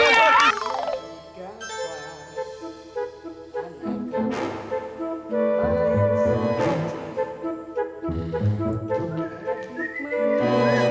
siapa yang menantang